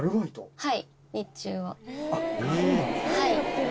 はい。